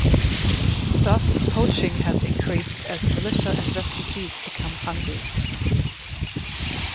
Thus, poaching has increased as militia and refugees become hungry.